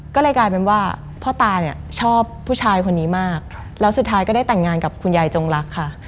ก็เลยกลายเป็นว่าพ่อตาเนี่ยชอบผู้ชายคนนี้มากแล้วสุดท้ายก็ได้แต่งงานกับคุณยายจงรักค่ะ